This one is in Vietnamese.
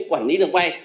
quản lý được bay